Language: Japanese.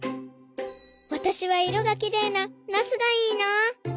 わたしはいろがきれいなナスがいいな。